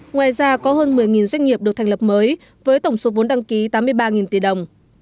ngoài ra có hơn một mươi doanh nghiệp được thành lập mới với tổng số vốn đăng ký tám mươi ba tỷ đồng